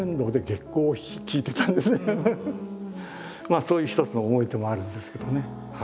まあそういう一つの思い出もあるんですけどね。